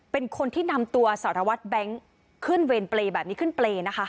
เป็นคนที่นำตัวสารวัตรแบงค์ขึ้นเวรเปรย์แบบนี้ขึ้นเปรย์นะคะ